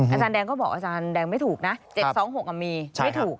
อาจารย์แดงก็บอกอาจารย์แดงไม่ถูกนะ๗๒๖มีไม่ถูก